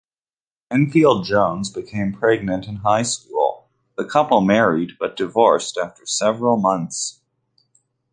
Banfield-Jones became pregnant in high school; the couple married but divorced after several months.